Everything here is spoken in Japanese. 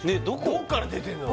どっから出てんの？